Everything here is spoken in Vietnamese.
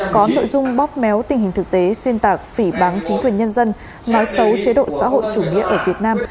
có nội dung bóp méo tình hình thực tế xuyên tạc phỉ bán chính quyền nhân dân nói xấu chế độ xã hội chủ nghĩa ở việt nam